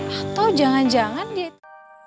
atau jangan jangan dia